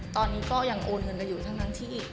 ตอนนี้ก็ยังโอนเงินกันอยู่ทั้งนั้นที่